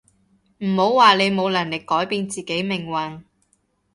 唔好話你冇能力改變自己命運